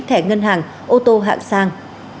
thẻ ngân hàng ô tô hạng sang